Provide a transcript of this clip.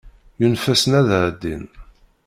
Yunef-asen ad ɛeddin.